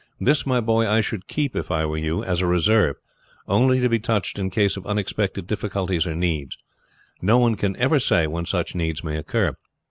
This, my boy, I should keep if I were you as a reserve, only to be touched in case of unexpected difficulties or needs. No one can ever say when such needs may occur.